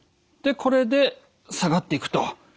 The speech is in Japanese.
でこれで下がっていくと。